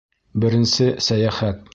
БЕРЕНСЕ СӘЙӘХӘТ